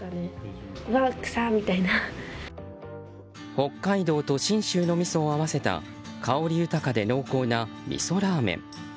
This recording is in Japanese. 北海道と信州のみそを合わせた香り豊かで濃厚なみそラーメン。